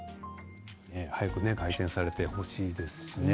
早く改善されてほしいですね。